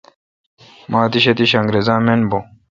مہ اتش اتش انگرزا من بھو